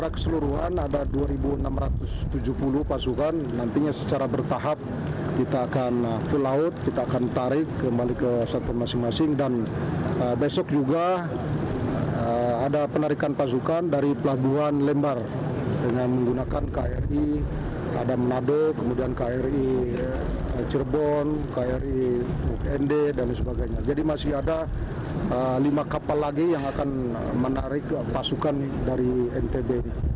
lima kapal lagi yang akan menarik pasukan dari ntb